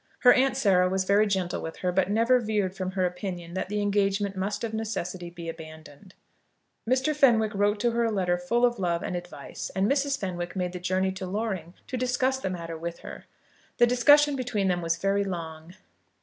Her Aunt Sarah was very gentle with her, but never veered from her opinion that the engagement must of necessity be abandoned. Mr. Fenwick wrote to her a letter full of love and advice, and Mrs. Fenwick made a journey to Loring to discuss the matter with her. The discussion between them was very long.